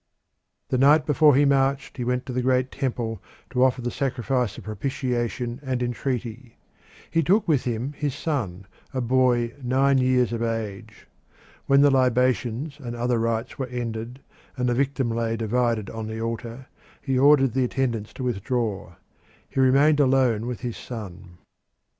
The night before he marched he went to the Great Temple to offer the sacrifice of propitiation and entreaty. He took with him his son, a boy nine years of age. When the libations and other rites were ended and the victim lay divided on the altar, he ordered the attendants to withdraw. He remained alone with his son.